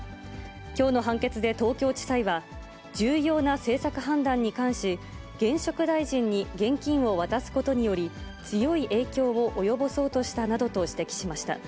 きょうの判決で東京地裁は、重要な政策判断に関し、現職大臣に現金を渡すことにより、強い影響を及ぼそうとしたなどと指摘しました。